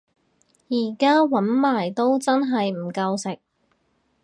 而家搵埋都真係唔夠食